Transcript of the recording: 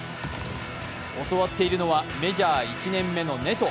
教わっているのはメジャー１年目のネト。